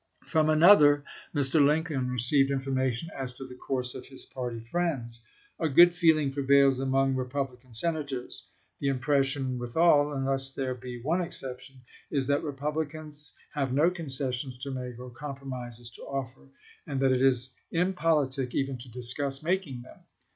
From another Mr. Lincoln received information as to the course of his party friends: "A good feel ing prevails among Eepublican Senators. The im pression with all, unless there be one exception, is, that Eepublicans have no concessions to make or compromises to offer, and that it is impolitic even to discuss making them.